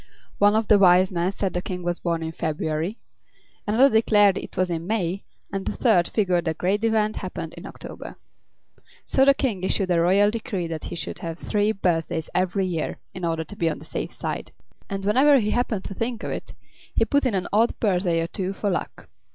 One of the Wise Men said the King was born in February; another declared it was in May, and a third figured the great event happened in October. So the King issued a royal decree that he should have three birthdays every year, in order to be on the safe side; and whenever he happened to think of it he put in an odd birthday or two for luck.